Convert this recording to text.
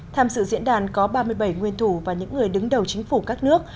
tham dự diễn đàn có ba mươi bảy nguyên thủ và những người đứng đầu chính phủ các nước